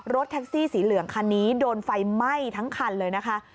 รถแท็กซี่สีเหลืองคันนี้โดนไฟไหม้ทั้งคันเลยนะคะ